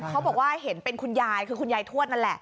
เขาบอกว่าเห็นเป็นคุณยายคือคุณยายทวดนั่นแหละ